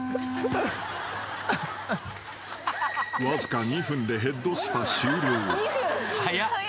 ［わずか２分でヘッドスパ終了］